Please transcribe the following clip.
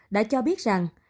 đã cho biết rằng